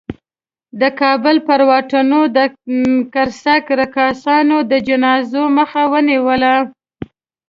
د کابل پر واټونو د قرصک رقاصانو د جنازو مخه ونیوله.